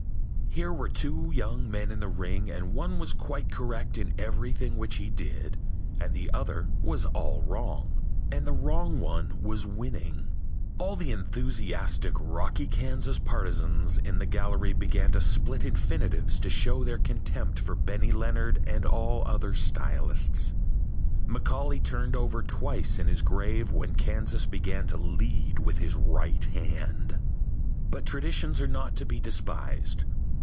Here were two young men in the ring and one was quite correct in everything which he did and the other was all wrong. And the wrong one was winning. All the enthusiastic Rocky Kansas partisans in the gallery began to split infinitives to show their contempt for Benny Leonard and all other stylists. Macaulay turned over twice in his grave when Kansas began to lead with his right hand. But traditions are not to be despised.